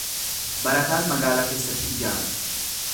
Barataan magaalaa keessatti ijaara.